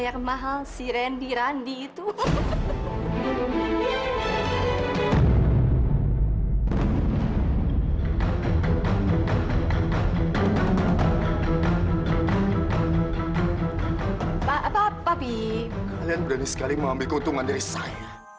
kalian berani sekali mengambil keuntungan dari saya